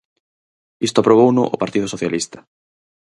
Isto aprobouno o Partido Socialista.